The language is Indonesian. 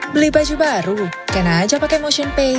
beli baju baru kena aja pake motionpay